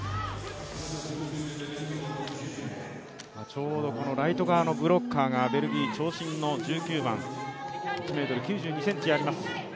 ちょうどライト側のブロッカーがベルギー、長身の１９番、１ｍ９２ｃｍあります。